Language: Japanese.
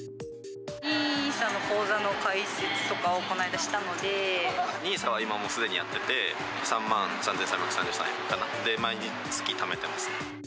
ＮＩＳＡの口座の開設とかをＮＩＳＡは今もうすでにやってて、３万３３３３円、毎月ためてます。